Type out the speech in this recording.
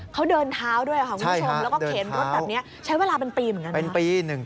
เขาเดินเท้าด้วยค่ะคุณผู้ชมแล้วก็เข็นรถแบบนี้ใช้เวลาเป็นปีเหมือนกันนะ